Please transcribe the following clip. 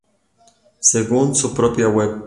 Según su propia web,